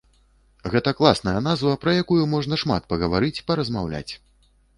Гэта класная назва, пра якую можна шмат пагаварыць, паразмаўляць.